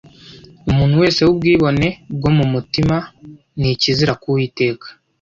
“Umuntu wese w’ubwibone bwo mu mutima ni ikizira k’Uwiteka